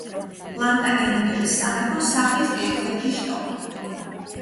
პლანტაგენეტების სამეფო სახლის ერთ-ერთი შტო.